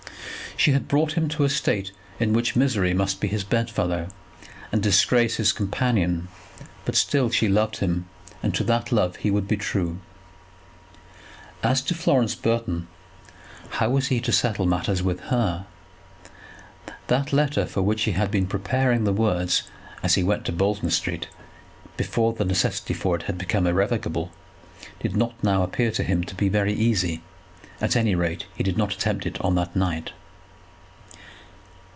She had brought him to a state in which misery must be his bedfellow, and disgrace his companion; but still she loved him, and to that love he would be true. And as to Florence Burton; how was he to settle matters with her? That letter for which he had been preparing the words as he went to Bolton Street, before the necessity for it had become irrevocable, did not now appear to him to be very easy. At any rate he did not attempt it on that night.